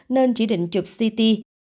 nên chỉ định chụp ct